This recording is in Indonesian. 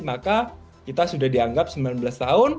maka kita sudah dianggap sembilan belas tahun